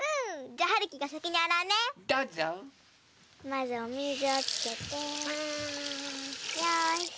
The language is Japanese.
まずおみずをつけてよし。